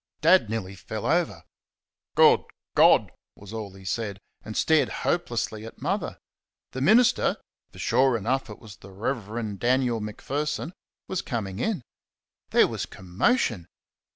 Dad nearly fell over. "Good God!" was all he said, and stared hopelessly at Mother. The minister for sure enough it was the Rev. Daniel Macpherson was coming in. There was commotion.